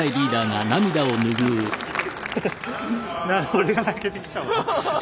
俺が泣けてきちゃうわ。